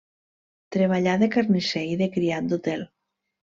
Treballà de carnisser i de criat d'hotel.